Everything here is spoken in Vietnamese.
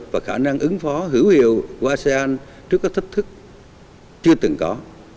và khả năng ứng phó hữu hiệu của asean trước các thách thức chưa từng có